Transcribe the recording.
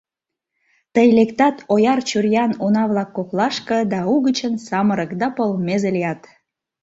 Тый лектат ояр чуриян уна-влак коклашке Да угычын самырык да полмезе лият.